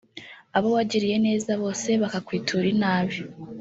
Abo wagiriye neza bose bakakwitura inabi